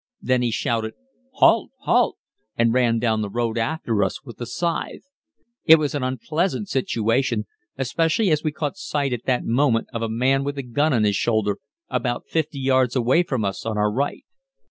Then he shouted "Halt! Halt!" and ran down the road after us with the scythe. It was an unpleasant situation, especially as we caught sight at that moment of a man with a gun on his shoulder about 50 yards away from us on our right.